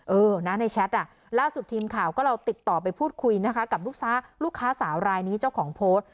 เออนะในแชทล่าสุดทีมข่าวก็เราติดต่อไปพูดคุยนะคะกับลูกค้าสาวรายนี้เจ้าของโพสต์